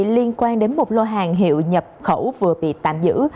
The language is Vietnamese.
liên quan đến một lô hàng hiệu nhập khẩu vừa bị tạm giữ